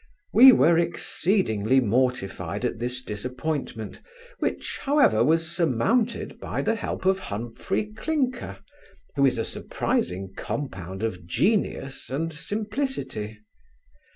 We were exceedingly mortified at this disappointment, which, however, was surmounted by the help of Humphry Clinker, who is a surprising compound of genius and simplicity.